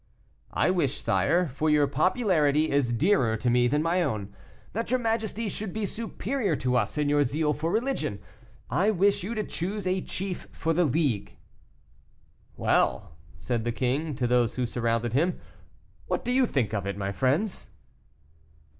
"I wish, sire for your popularity is dearer to me than my own that your majesty should be superior to us in your zeal for religion I wish you to choose a chief for the League." "Well!" said the king, to those who surrounded him, "what do you think of it, my friends?"